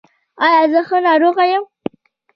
ایا زه ښه ناروغ یم؟